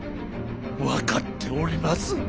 分かっております。